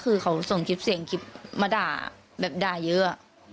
คือเขาส่งคลิปเสียงคลิปมาด่าแบบด่าเยอะ